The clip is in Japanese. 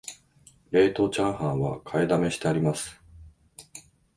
冷凍チャーハンは買いだめしてあります